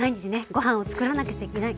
ご飯をつくらなくちゃいけない。